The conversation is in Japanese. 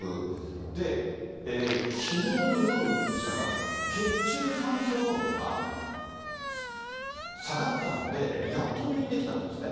で、きのうの夜でしたか、血中酸素濃度が下がったので、やっと入院できたっていうんですね。